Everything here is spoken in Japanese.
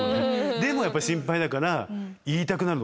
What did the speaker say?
でもやっぱり心配だから言いたくなるの。